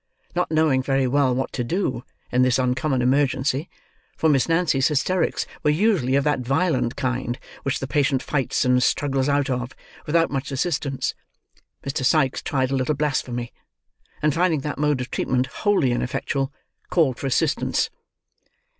Not knowing, very well, what to do, in this uncommon emergency; for Miss Nancy's hysterics were usually of that violent kind which the patient fights and struggles out of, without much assistance; Mr. Sikes tried a little blasphemy: and finding that mode of treatment wholly ineffectual, called for assistance.